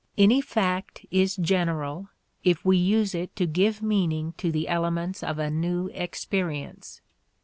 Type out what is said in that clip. Any fact is general if we use it to give meaning to the elements of a new experience.